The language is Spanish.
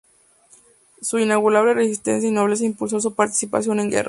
Su inigualable resistencia y nobleza impulso su participación en guerras.